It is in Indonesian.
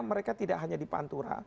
mereka tidak hanya di pantura